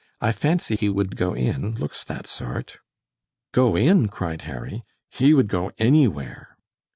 "I fancy he would go in. Looks that sort." "Go in?" cried Harry, "he would go anywhere."